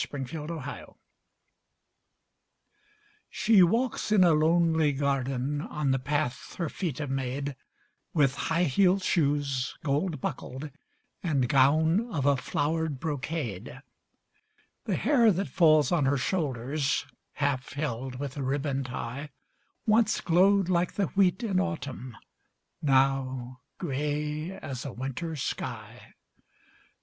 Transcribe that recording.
THE OLD MAID She walks in a lonely garden On the path her feet have made, With high heeled shoes, gold buckled, And gown of a flowered brocade; The hair that falls on her shoulders, Half held with a ribbon tie, Once glowed like the wheat in autumn, Now grey as a winter sky.